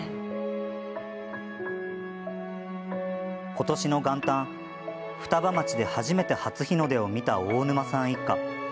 今年の元旦、双葉町で初めて初日の出を見た大沼さん一家。